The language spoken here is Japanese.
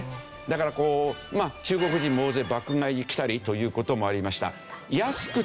だからこう中国人も大勢爆買いに来たりという事もありました。